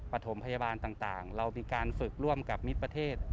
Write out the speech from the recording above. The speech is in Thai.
ปฐมพยาบาลต่างเรามีการฝึกร่วมกับมิตรประเทศ